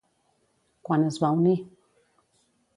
Quan es va unir?